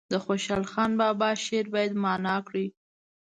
د خوشحال بابا شعر باید معنا کړي.